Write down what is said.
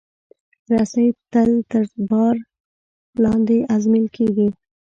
رسۍ تل تر بار لاندې ازمېیل کېږي.